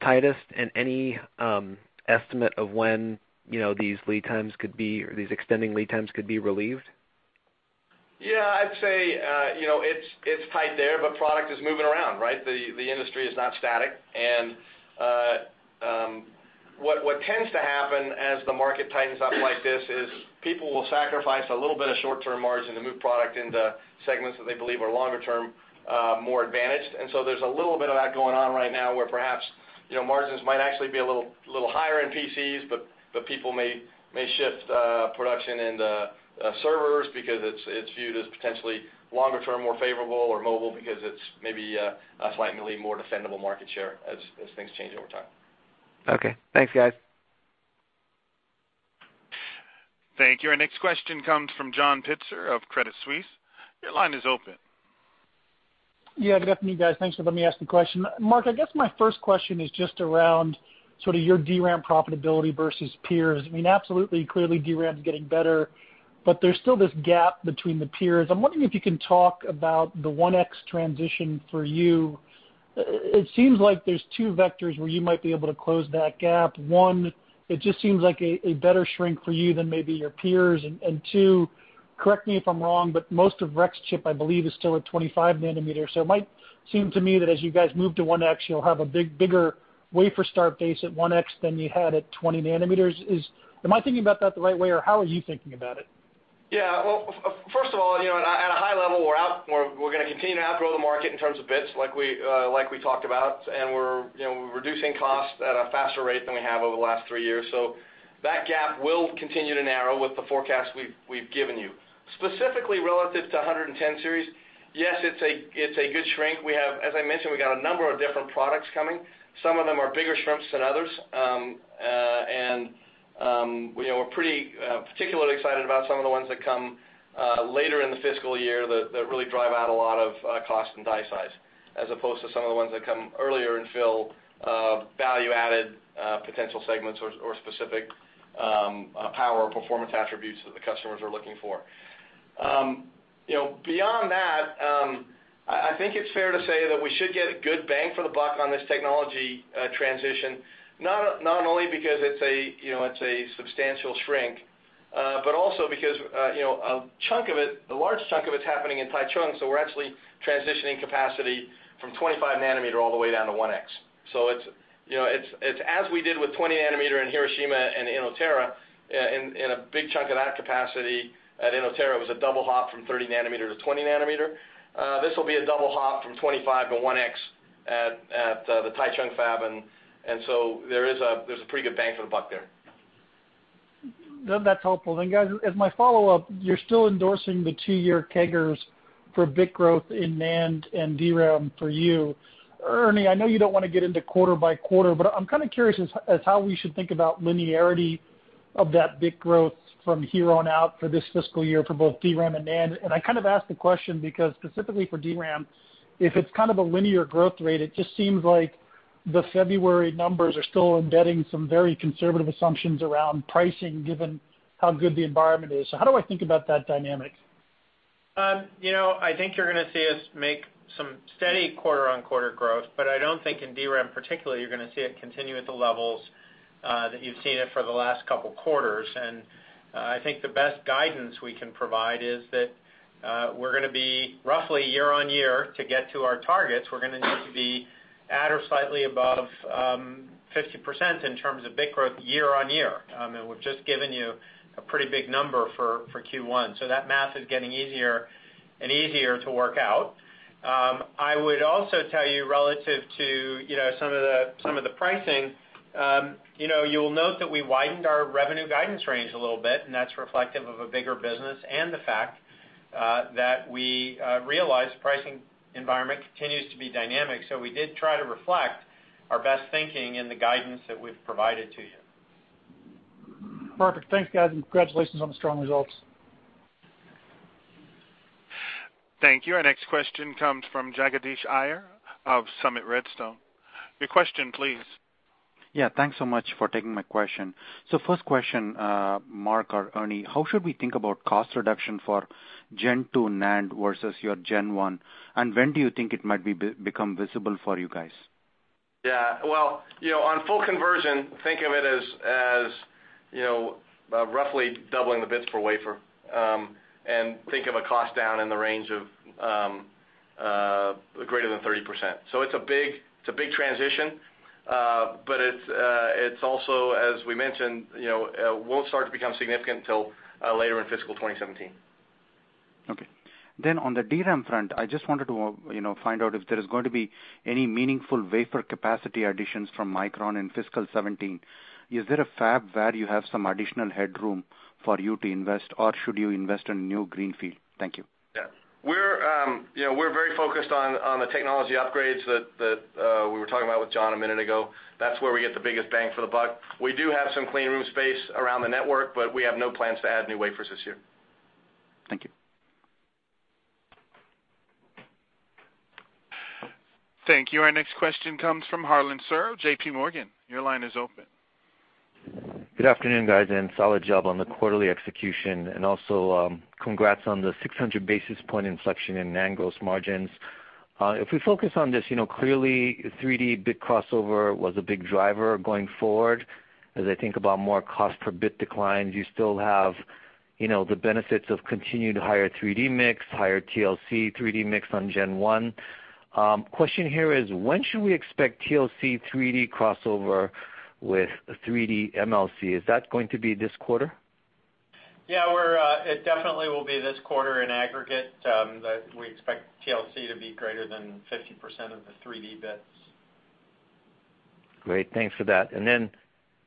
tightest, and any estimate of when these lead times could be, or these extending lead times could be relieved? I'd say it's tight there, but product is moving around, right? The industry is not static. What tends to happen as the market tightens up like this is people will sacrifice a little bit of short-term margin to move product into segments that they believe are longer-term more advantaged. There's a little bit of that going on right now where perhaps margins might actually be a little higher in PCs, but people may shift production into servers because it's viewed as potentially longer-term, more favorable or mobile because it's maybe a slightly more defendable market share as things change over time. Okay. Thanks, guys. Thank you. Our next question comes from John Pitzer of Credit Suisse. Your line is open. Good afternoon, guys. Thanks for letting me ask the question. Mark, I guess my first question is just around sort of your DRAM profitability versus peers. I mean, absolutely, clearly DRAM's getting better, there's still this gap between the peers. I'm wondering if you can talk about the 1X transition for you. It seems like there's two vectors where you might be able to close that gap. One, it just seems like a better shrink for you than maybe your peers. Two, correct me if I'm wrong, but most of Rexchip, I believe, is still at 25 nanometers. It might seem to me that as you guys move to 1X, you'll have a bigger wafer start base at 1X than you had at 20 nanometers. Am I thinking about that the right way, or how are you thinking about it? Well, first of all, at a high level, we're going to continue to outgrow the market in terms of bits like we talked about, and we're reducing costs at a faster rate than we have over the last three years. That gap will continue to narrow with the forecast we've given you. Specifically relative to 1X series, yes, it's a good shrink. As I mentioned, we got a number of different products coming. Some of them are bigger shrinks than others. We're pretty particularly excited about some of the ones that come later in the fiscal year that really drive out a lot of cost and die size, as opposed to some of the ones that come earlier and fill value-added potential segments or specific power or performance attributes that the customers are looking for. Beyond that, I think it's fair to say that we should get a good bang for the buck on this technology transition, not only because it's a substantial shrink. Also because a large chunk of it's happening in Taichung, we're actually transitioning capacity from 25 nanometer all the way down to 1X. As we did with 20 nanometer in Hiroshima and Inotera, and a big chunk of that capacity at Inotera was a double hop from 30 nanometer to 20 nanometer. This will be a double hop from 25 to 1X at the Taichung fab, there's a pretty good bang for the buck there. That's helpful. Guys, as my follow-up, you're still endorsing the two-year CAGRs for bit growth in NAND and DRAM for you. Ernie, I know you don't want to get into quarter by quarter, but I'm kind of curious as how we should think about linearity of that bit growth from here on out for this fiscal year for both DRAM and NAND. I kind of ask the question because specifically for DRAM, if it's kind of a linear growth rate, it just seems like the February numbers are still embedding some very conservative assumptions around pricing given how good the environment is. How do I think about that dynamic? I think you're going to see us make some steady quarter-on-quarter growth, but I don't think in DRAM particularly, you're going to see it continue at the levels that you've seen it for the last couple of quarters. I think the best guidance we can provide is that we're going to be roughly year-on-year to get to our targets. We're going to need to be at or slightly above 50% in terms of bit growth year-on-year. We've just given you a pretty big number for Q1. That math is getting easier and easier to work out. I would also tell you relative to some of the pricing. You'll note that we widened our revenue guidance range a little bit, that's reflective of a bigger business and the fact that we realized pricing environment continues to be dynamic. We did try to reflect our best thinking in the guidance that we've provided to you. Perfect. Thanks, guys, and congratulations on the strong results. Thank you. Our next question comes from Jagadish Iyer of Summit Redstone. Your question, please. Thanks so much for taking my question. First question, Mark or Ernie, how should we think about cost reduction for Gen 2 NAND versus your Gen 1, and when do you think it might become visible for you guys? Well, on full conversion, think of it as roughly doubling the bits per wafer, think of a cost down in the range of greater than 30%. It's a big transition, it also, as we mentioned, won't start to become significant until later in fiscal 2017. Okay. On the DRAM front, I just wanted to find out if there is going to be any meaningful wafer capacity additions from Micron in fiscal 2017. Is there a fab where you have some additional headroom for you to invest, or should you invest in new greenfield? Thank you. Yeah. We're very focused on the technology upgrades that we were talking about with John a minute ago. That's where we get the biggest bang for the buck. We do have some clean room space around the network, but we have no plans to add new wafers this year. Thank you. Thank you. Our next question comes from Harlan Sur, J.P. Morgan. Your line is open. Good afternoon, guys, solid job on the quarterly execution, and also congrats on the 600 basis point inflection in NAND gross margins. If we focus on this, clearly 3D bit crossover was a big driver going forward. As I think about more cost per bit declines, you still have the benefits of continued higher 3D mix, higher TLC, 3D mix on Gen 1. Question here is, when should we expect TLC 3D crossover with 3D MLC? Is that going to be this quarter? Yeah, it definitely will be this quarter in aggregate, that we expect TLC to be greater than 50% of the 3D bits. Great. Thanks for that. Then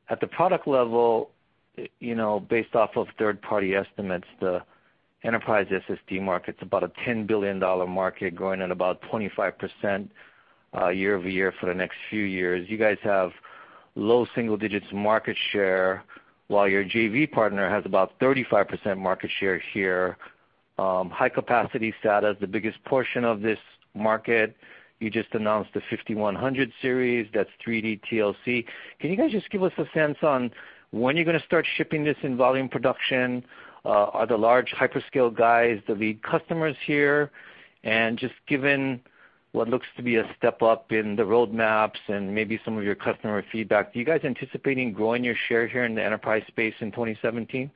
at the product level, based off of third-party estimates, the enterprise SSD market's about a $10 billion market growing at about 25% year-over-year for the next few years. You guys have low single digits market share, while your JV partner has about 35% market share here. High capacity SATA is the biggest portion of this market. You just announced the 5100 Series, that's 3D TLC. Can you guys just give us a sense on when you're going to start shipping this in volume production? Are the large hyperscale guys the lead customers here? Just given what looks to be a step-up in the roadmaps and maybe some of your customer feedback, do you guys anticipating growing your share here in the enterprise space in 2017?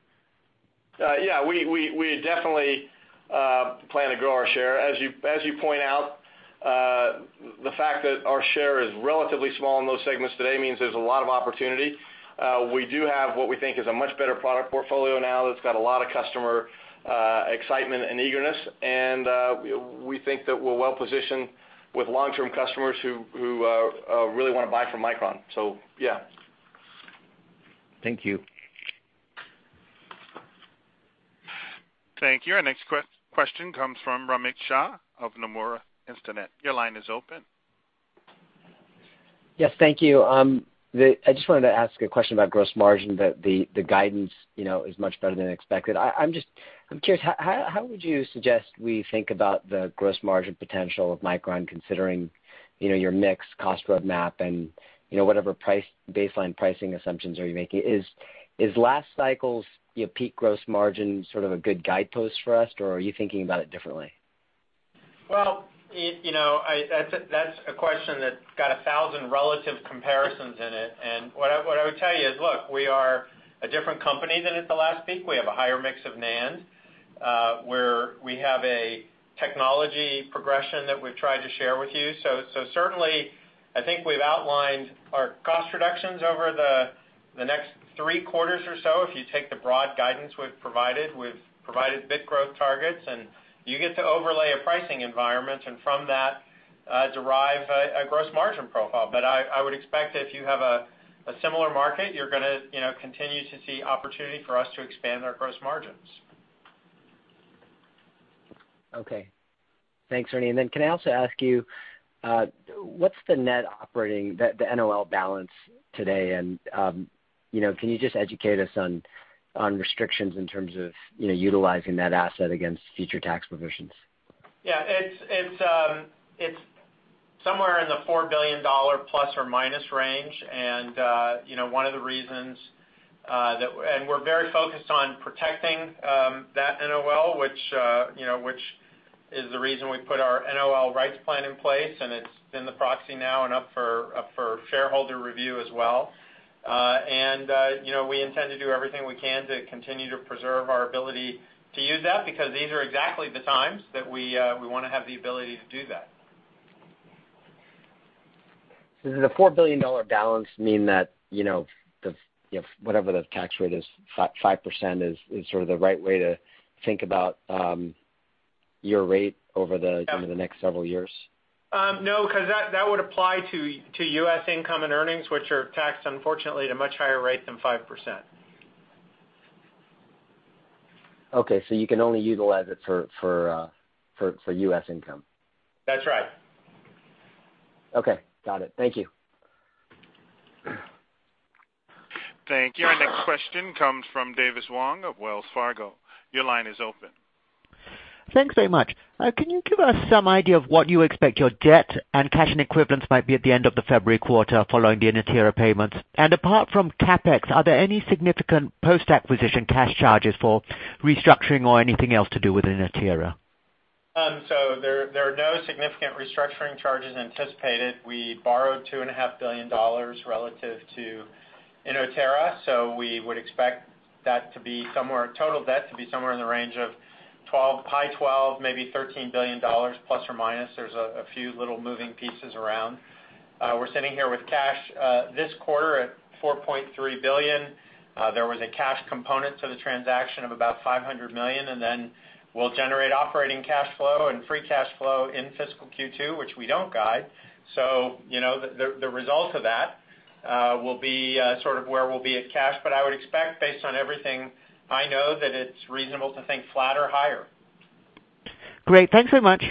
Yeah. We definitely plan to grow our share. As you point out, the fact that our share is relatively small in those segments today means there's a lot of opportunity. We do have what we think is a much better product portfolio now that's got a lot of customer excitement and eagerness. We think that we're well-positioned with long-term customers who really want to buy from Micron. Yeah. Thank you. Thank you. Our next question comes from Romit Shah of Nomura Instinet. Your line is open. Yes. Thank you. I just wanted to ask a question about gross margin, the guidance is much better than expected. I'm curious, how would you suggest we think about the gross margin potential of Micron, considering your mix cost roadmap and whatever baseline pricing assumptions are you making? Is last cycle's peak gross margin sort of a good guidepost for us, or are you thinking about it differently? Well, that's a question that's got a 1,000 relative comparisons in it. What I would tell you is, look, we are a different company than at the last peak. We have a higher mix of NAND, where we have a technology progression that we've tried to share with you. Certainly, I think we've outlined our cost reductions over the next three quarters or so. If you take the broad guidance we've provided, we've provided bit growth targets, and you get to overlay a pricing environment, and from that, derive a gross margin profile. I would expect if you have a similar market, you're going to continue to see opportunity for us to expand our gross margins. Okay. Thanks, Ernie. Can I also ask you, what's the net operating, the NOL balance today? Can you just educate us on restrictions in terms of utilizing that asset against future tax provisions? Yeah. It's somewhere in the $4 billion plus or minus range. We're very focused on protecting that NOL, which is the reason we put our NOL rights plan in place, and it's in the proxy now and up for shareholder review as well. We intend to do everything we can to continue to preserve our ability to use that, because these are exactly the times that we want to have the ability to do that. Does a $4 billion balance mean that, whatever the tax rate is, 5% is sort of the right way to think about your rate over the next several years? No, because that would apply to U.S. income and earnings, which are taxed, unfortunately, at a much higher rate than 5%. Okay, you can only utilize it for U.S. income. That's right. Okay. Got it. Thank you. Thank you. Our next question comes from David Wong of Wells Fargo. Your line is open. Thanks very much. Can you give us some idea of what you expect your debt and cash and equivalents might be at the end of the February quarter following the Inotera payments? Apart from CapEx, are there any significant post-acquisition cash charges for restructuring or anything else to do with Inotera? There are no significant restructuring charges anticipated. We borrowed $2.5 billion relative to Inotera, we would expect total debt to be somewhere in the range of high $12, maybe $13 billion, plus or minus. There's a few little moving pieces around. We're sitting here with cash this quarter at $4.3 billion. There was a cash component to the transaction of about $500 million, then we'll generate operating cash flow and free cash flow in fiscal Q2, which we don't guide. The result of that will be sort of where we'll be at cash, but I would expect based on everything I know that it's reasonable to think flat or higher. Great. Thanks very much.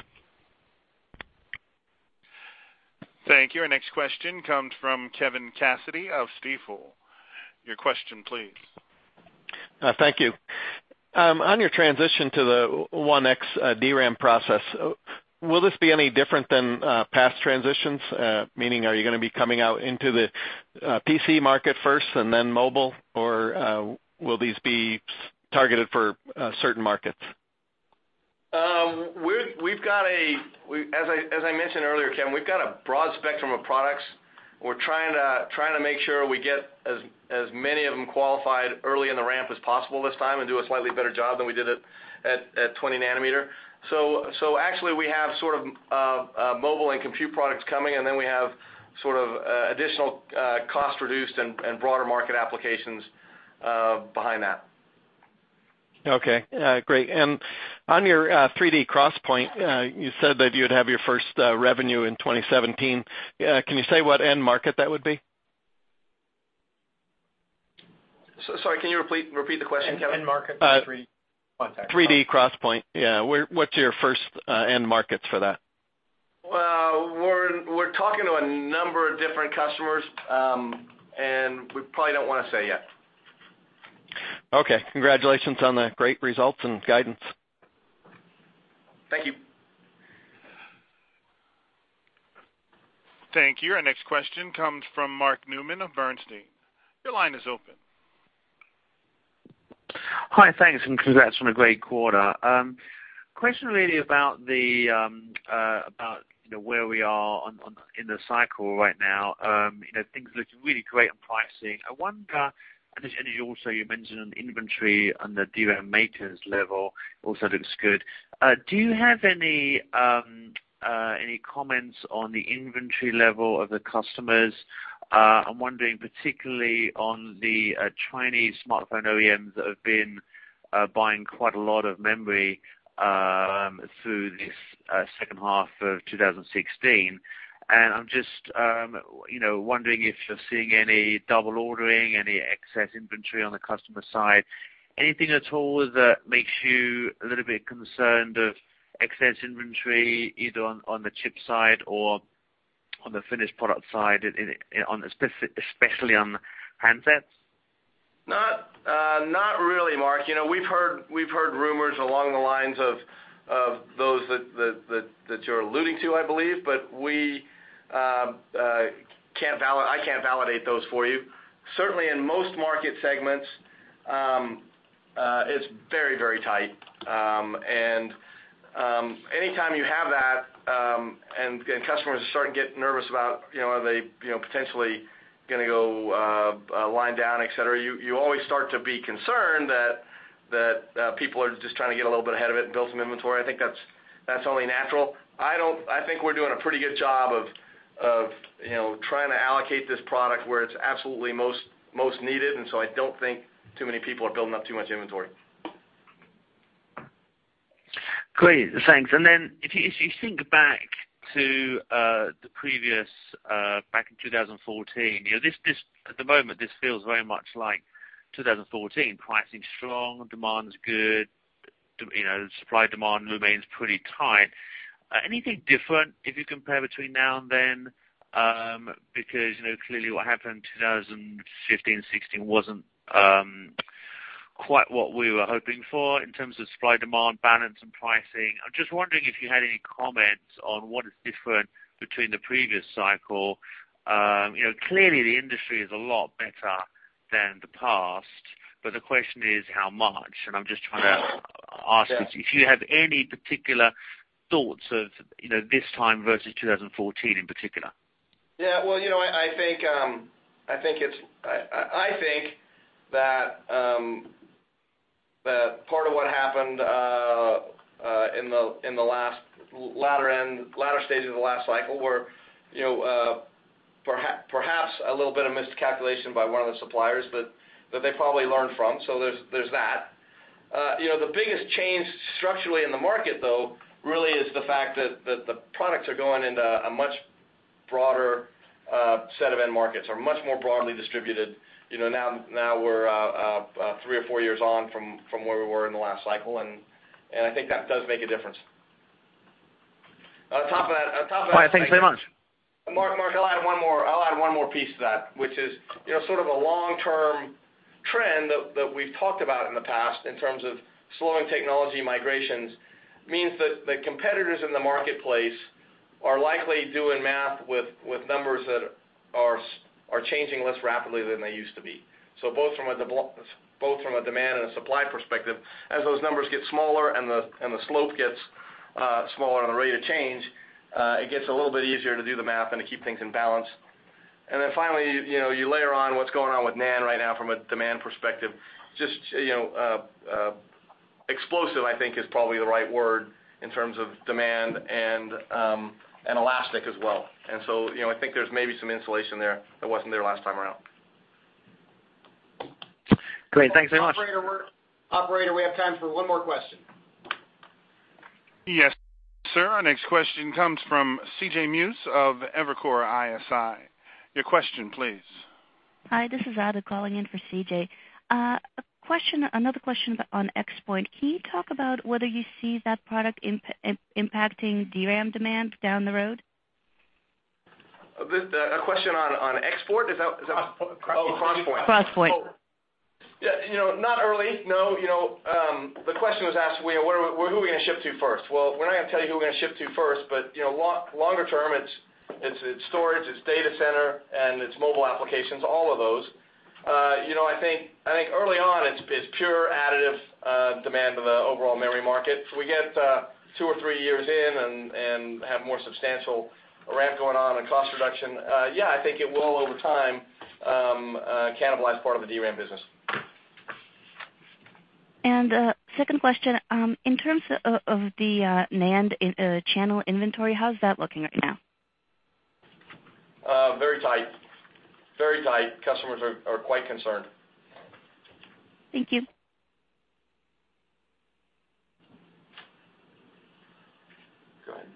Thank you. Our next question comes from Kevin Cassidy of Stifel. Your question please. Thank you. On your transition to the 1X DRAM process, will this be any different than past transitions? Meaning, are you going to be coming out into the PC market first and then mobile, or will these be targeted for certain markets? As I mentioned earlier, Kevin, we've got a broad spectrum of products. We're trying to make sure we get as many of them qualified early in the ramp as possible this time and do a slightly better job than we did at 20 nanometer. Actually, we have sort of mobile and compute products coming, and then we have sort of additional cost reduced and broader market applications behind that. Okay. Great. On your 3D XPoint, you said that you'd have your first revenue in 2017. Can you say what end market that would be? Sorry, can you repeat the question, Kevin? End market for 3D XPoint. 3D XPoint. Yeah. What's your first end markets for that? Well, we're talking to a number of different customers, and we probably don't want to say yet. Okay. Congratulations on the great results and guidance. Thank you. Thank you. Our next question comes from Mark Newman of Bernstein. Your line is open. Hi, thanks, and congrats on a great quarter. Question really about where we are in the cycle right now. Things look really great on pricing. I wonder, and as you also mentioned on inventory on the DRAM makers level also looks good. Do you have any comments on the inventory level of the customers? I'm wondering particularly on the Chinese smartphone OEMs that have been buying quite a lot of memory through this second half of 2016. I'm just wondering if you're seeing any double ordering, any excess inventory on the customer side. Anything at all that makes you a little bit concerned of excess inventory, either on the chip side or on the finished product side, especially on the handsets? Not really, Mark. We've heard rumors along the lines of those that you're alluding to, I believe, but I can't validate those for you. Certainly, in most market segments- It's very tight. Anytime you have that, and customers are starting to get nervous about are they potentially going to go wind down, et cetera, you always start to be concerned that people are just trying to get a little bit ahead of it and build some inventory. I think that's only natural. I think we're doing a pretty good job of trying to allocate this product where it's absolutely most needed. I don't think too many people are building up too much inventory. Great. Thanks. If you think back to the previous, back in 2014, at the moment, this feels very much like 2014. Pricing's strong, demand's good. Supply, demand remains pretty tight. Anything different if you compare between now and then? Because clearly what happened 2015 and 2016 wasn't quite what we were hoping for in terms of supply, demand, balance, and pricing. I'm just wondering if you had any comments on what is different between the previous cycle. Clearly, the industry is a lot better than the past, but the question is how much? I'm just trying to ask if you have any particular thoughts of this time versus 2014 in particular. Yeah. I think that part of what happened in the latter stages of the last cycle were perhaps a little bit of miscalculation by one of the suppliers, but that they probably learned from. There's that. The biggest change structurally in the market, though, really is the fact that the products are going into a much broader set of end markets. Are much more broadly distributed. Now we're three or four years on from where we were in the last cycle, and I think that does make a difference. On top of that- All right. Thank you so much Mark, I'll add one more piece to that, which is sort of a long-term trend that we've talked about in the past in terms of slowing technology migrations, means that the competitors in the marketplace are likely doing math with numbers that are changing less rapidly than they used to be. Both from a demand and a supply perspective, as those numbers get smaller and the slope gets smaller on the rate of change, it gets a little bit easier to do the math and to keep things in balance. Then finally, you layer on what's going on with NAND right now from a demand perspective, just explosive, I think, is probably the right word in terms of demand and elastic as well. I think there's maybe some insulation there that wasn't there last time around. Great. Thanks very much. Operator, we have time for one more question. Yes, sir. Our next question comes from CJ Muse of Evercore ISI. Your question, please. Hi, this is Ada calling in for CJ. Another question on XPoint. Can you talk about whether you see that product impacting DRAM demand down the road? A question on XPoint? Is that? XPoint. Not early, no. The question was asked, who are we going to ship to first? Well, we're not going to tell you who we're going to ship to first, but longer term, it's storage, it's data center, and it's mobile applications, all of those. I think early on, it's pure additive demand of the overall memory market. If we get two or three years in and have more substantial ramp going on and cost reduction, yeah, I think it will, over time, cannibalize part of the DRAM business. Second question. In terms of the NAND channel inventory, how's that looking right now? Very tight. Customers are quite concerned. Thank you. Go ahead.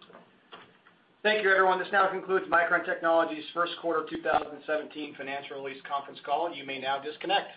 Thank you, everyone. This now concludes Micron Technology's first quarter 2017 financial release conference call. You may now disconnect.